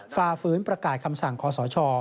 ฝ่าฝืนประกาศคำสั่งคอสช